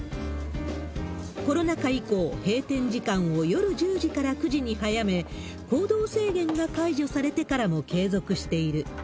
コロナ禍以降、閉店時間を夜１０時から９時に早め、行動制限が解除されてからも継続している。